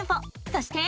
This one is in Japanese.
そして。